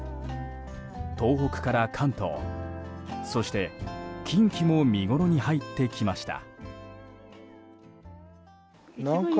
東北から関東、そして近畿も見ごろに入ってきました。